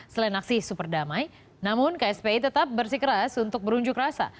selain aksi super damai namun kspi tetap bersikeras untuk berunjuk rasa